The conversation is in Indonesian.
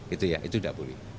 itu ya itu tidak boleh